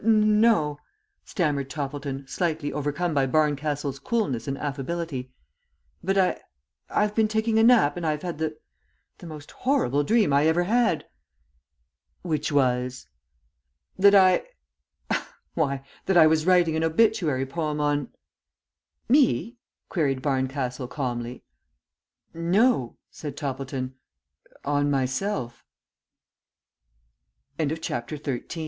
"No," stammered Toppleton, slightly overcome by Barncastle's coolness and affability, "but I I've been taking a nap and I've had the the most horrible dream I ever had." "Which was?" "That I ah why, that I was writing an obituary poem on " "Me?" queried Barncastle, calmly. "No," said Toppleton. "On myself." CHAPTER XIV. THE DINNER AND ITS RESULT.